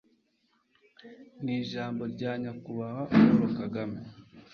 n ijambo rya Nyakubahwa Paul KAGAME